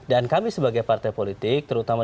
dan kami sebagai partai politik terutama